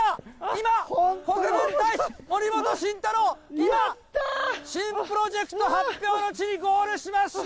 今、国分太一、森本慎太郎、今、新プロジェクト発表の地にゴールしました。